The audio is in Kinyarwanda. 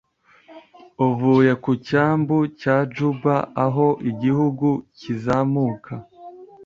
uvuye ku cyambu cya Juba aho igihugu kizamuka